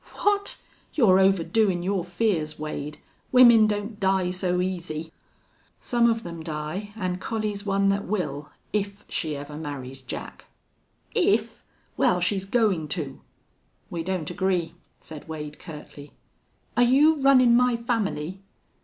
"What!... You're overdoin' your fears, Wade. Women don't die so easy." "Some of them die, an' Collie's one that will, if she ever marries Jack." "If!... Wal, she's goin' to." "We don't agree," said Wade, curtly. "Are you runnin' my family?"